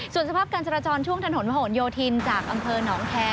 ส่วนสภาพการจราจรช่วงถนนมโหนโยธินจากอำเภอหนองแคร์